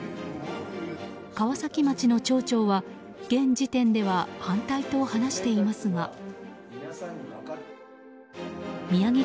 川崎町の町長は現時点では反対と話していますが宮崎